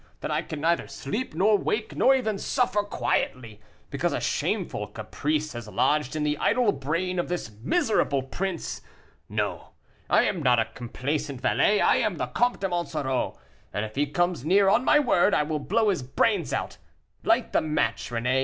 that I can neither sleep, nor wake, nor even suffer quietly, because a shameful caprice has lodged in the idle brain of this miserable prince. No, I am not a complaisant valet; I am the Comte de Monsoreau, and if he comes near, on my word, I will blow his brains out. Light the match, René."